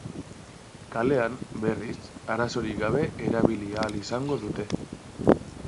Kalean, berriz, arazorik gabe erabili ahal izango dute.